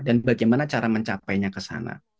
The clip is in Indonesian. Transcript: dan bagaimana cara mencapainya ke sana